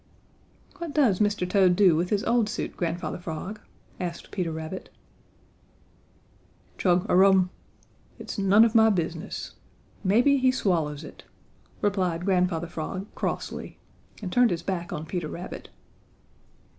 "What does Mr. Toad do with his old suit, Grandfather Frog?" asked Peter Rabbit. "Chug a rum! It's none of my business. Maybe he swallows it," replied Grandfather Frog crossly, and turned his back on Peter Rabbit.